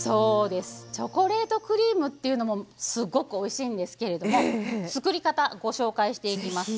チョコレートクリームっていうのもすっごくおいしいんですけども作り方、ご紹介していきます。